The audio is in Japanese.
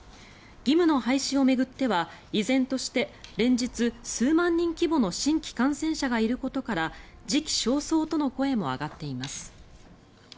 義務の廃止を巡っては依然として連日、数万人規模の新規感染者がいることから時期尚早との声も上がっています。